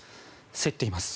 競っています。